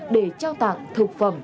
để trao tặng thực phẩm